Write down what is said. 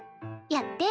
やって。